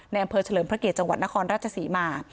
ในหรือเฉลิมพระเกปจังหวัดนครรัฐศรีมา